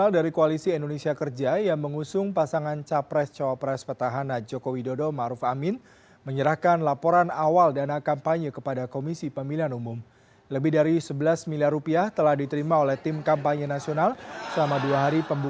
dikreditasi oleh kpu